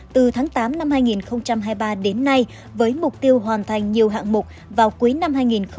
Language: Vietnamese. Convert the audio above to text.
từ tháng tám năm hai nghìn hai mươi ba đến nay với mục tiêu hoàn thành nhiều hạng mục vào cuối năm hai nghìn hai mươi năm